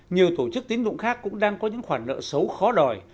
nhiều tổ chức tín dụng khác cũng đang có những khoản nợ xấu khó đòi